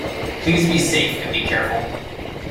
Please be safe and be careful.